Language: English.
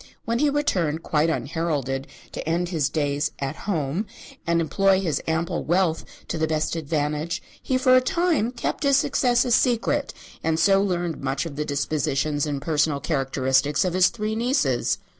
When he returned, quite unheralded, to end his days "at home" and employ his ample wealth to the best advantage, he for a time kept his success a secret, and so learned much of the dispositions and personal characteristics of his three nieces.